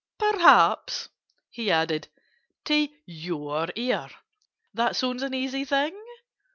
"Perhaps," he added, "to your ear That sounds an easy thing?